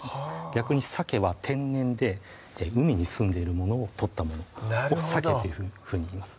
逆にさけは天然で海にすんでいるものを取ったものをさけというふうにいいます